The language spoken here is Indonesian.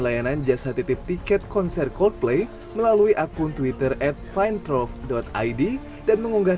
layanan jasa titip tiket konser coldplay melalui akun twitter at findrove id dan mengunggah